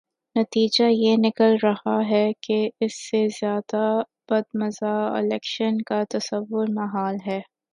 نتیجہ یہ نکل رہا ہے کہ اس سے زیادہ بدمزہ الیکشن کا تصور محال ہے۔